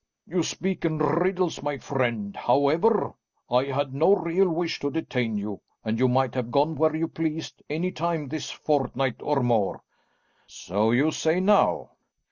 "You speak in riddles, my friend. However, I had no real wish to detain you, and you might have gone where you pleased any time this fortnight or more." "So you say now."